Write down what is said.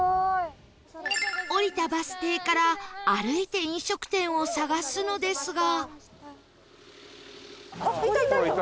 降りたバス停から歩いて飲食店を探すのですが